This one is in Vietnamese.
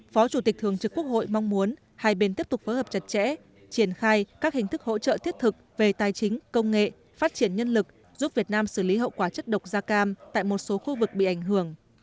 phó chủ tịch thường trực quốc hội mong muốn hai bên tiếp tục phối hợp chặt chẽ triển khai các hình thức hỗ trợ thiết thực về tài chính công nghệ phát triển nhân lực giúp việt nam xử lý hậu quả chất độc da cam tại một số khu vực bị ảnh hưởng